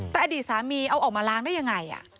แต่อดีตสามีเอาออกมาล้างได้ยังไง